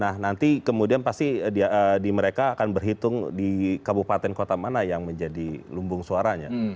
nah nanti kemudian pasti di mereka akan berhitung di kabupaten kota mana yang menjadi lumbung suaranya